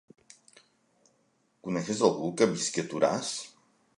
Coneixes algú que visqui a Toràs?